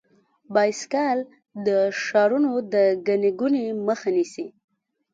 بایسکل د ښارونو د ګڼې ګوڼې مخه نیسي.